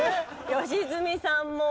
良純さんも。